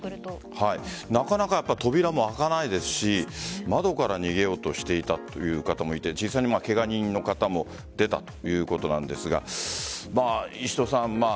なかなか扉も開かないですし窓から逃げようとしていたという方もいて実際にケガ人の方も出たということなんですが石戸さん